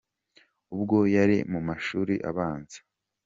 Ubwo yari mu mashuri abanza.